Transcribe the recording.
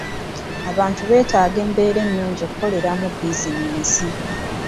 Abantu beetaaga embeera ennungi okukoleramu bizinesi.